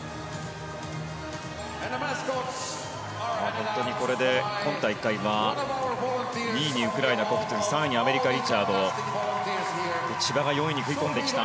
本当にこれで今大会は２位にウクライナ、コフトゥン３位に、アメリカリチャード。千葉が４位に食い込んできた。